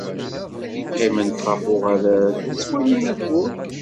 Qqiment ɣef uɣalad, ttwalin ayyur.